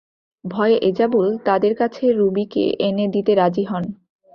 ভয়ে এজাবুল তাঁদের কাছে রুবীকে এনে দিতে রাজি হন।